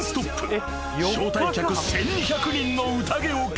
招待客１，２００人の宴を開催］